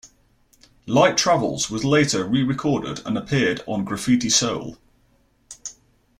"Light Travels" was later rerecorded and appeared on Graffiti Soul.